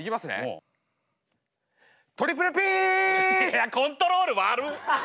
いやコントロール悪っ。